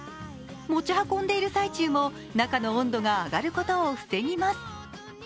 持ち運んでいる最中も中の温度が上がることを防ぎます。